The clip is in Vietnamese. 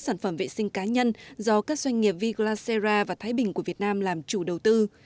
sản phẩm vệ sinh cá nhân do các doanh nghiệp v glacera và thái bình của việt nam làm chủ đầu tư